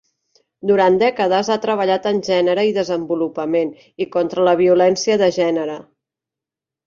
Durant dècades ha treballat en gènere i desenvolupament i contra la violència de gènere.